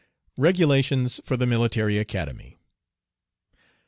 REGULATIONS FOR THE MILITARY ACADEMY.